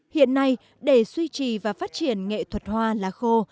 hiện nay để suy trì và phát triển nghệ thuật hoa lá khô